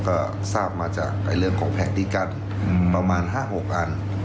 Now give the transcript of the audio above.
ก็ทราบมาจากเรื่องของแผนที่กันประมาณ๕๖อัน